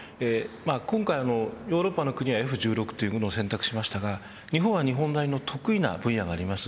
今回のヨーロッパの国はＦ−１６を選択しましたが日本は日本なりの得意な分野があります。